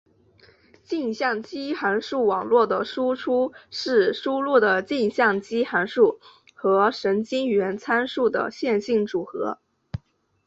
径向基函数网络的输出是输入的径向基函数和神经元参数的线性组合。